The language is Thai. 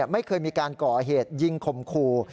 ไม่เคยมีการก่อเหตุยิงข่มขู่